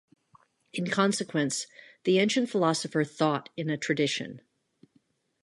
In consequence, the ancient philosopher thought in a tradition.